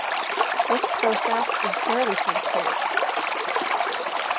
This process is fairly transparent.